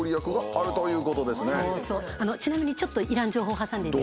ちなみにちょっといらん情報挟んでいいですか。